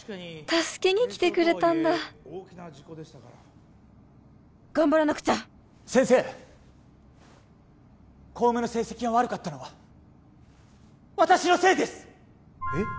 確かに軽傷とはいえ大きな事故でしたから頑張らなくちゃ先生小梅の成績が悪かったのは私のせいですえっ？